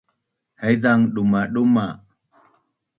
haizang dumaduma